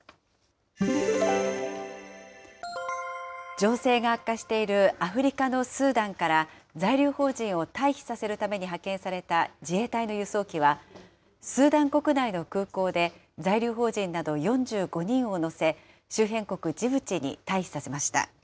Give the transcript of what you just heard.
情勢が悪化しているアフリカのスーダンから、在留邦人を退避させるために派遣された自衛隊の輸送機は、スーダン国内の空港で在留邦人など４５人を乗せ、周辺国ジブチに退避させました。